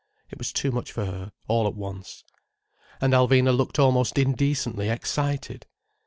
It was too much for her, all at once. And Alvina looked almost indecently excited.